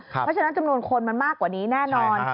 เพราะฉะนั้นจำนวนคนมันมากกว่านี้แน่นอน